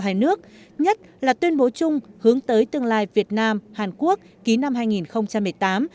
hai nước nhất là tuyên bố chung hướng tới tương lai việt nam hàn quốc ký năm hai nghìn một mươi tám